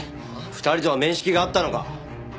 ２人とは面識があったのか？